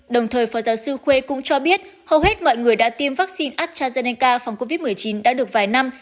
đồng thời phó giáo sư khuê cũng cho biết hầu hết mọi người đã tiêm vaccine astrazeneca phòng covid một mươi chín đã được vài năm